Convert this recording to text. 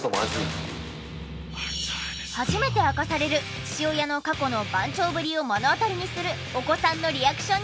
初めて明かされる父親の過去の番長ぶりを目の当たりにするお子さんのリアクションにもご注目ください。